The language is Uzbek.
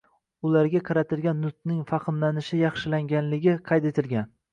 ularga qaratilgan nutqning fahmlanishi yaxshilanganligi qayd etilgan.